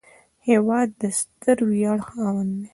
هېواد د ستر ویاړ خاوند دی